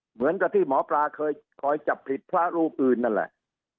เหมือนกับที่หมอปลาเคยคอยจับผิดพระรูปอื่นนั่นแหละ